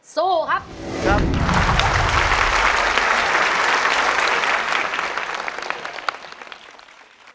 ไม่ใช้ครับไม่ใช้ครับ